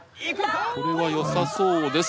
これはよさそうです。